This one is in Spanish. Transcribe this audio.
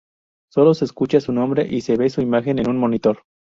Solo se escucha su nombre y se ve su imagen en un monitor.